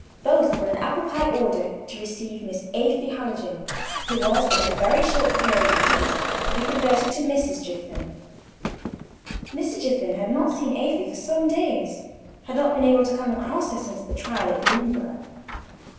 Both were in apple pie order to receive Miss Afy Hallijohn, who was, in a very short period, indeed, to be converted into Mrs. Jiffin. Mr. Jiffin had not seen Afy for some days had never been able to come across her since the trial at Lynneborough.